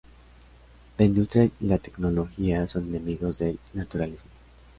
La industria y la tecnología son enemigos del naturalismo.